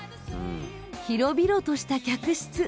広々とした客室。